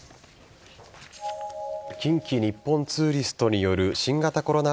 近畿日本ツーリストによる新型コロナ